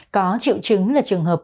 có triệu chứng là trường hợp